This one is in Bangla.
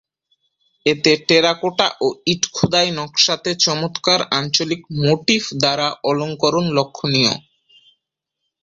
এতে টেরাকোটা ও ইট খোদাই নকশাতে চমৎকার আঞ্চলিক মোটিফ দ্বারা অলঙ্করণ লক্ষণীয়।